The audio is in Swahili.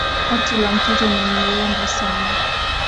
Koti la mtoto ni rembo sana